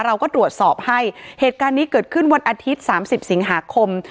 เราก็ตรวจสอบให้เหตุการณ์นี้เกิดขึ้นวันอาทิตย์๓๐สิงหาคม